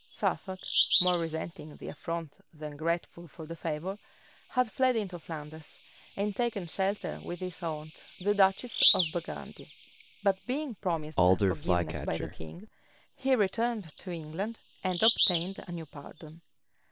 Suffolk, more resenting the affront than grateful for the favor, had fled into Flanders, and taken shelter with his aunt, the duchess of Burgundy; but being promised forgiveness by the king, he returned to England, and obtained a new pardon.